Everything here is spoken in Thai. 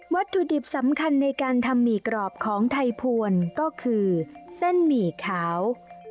วัตถุดิบสำคัญในการทำหมี่กรอบของไทยพวนก็คือเส้นหมี่ขาว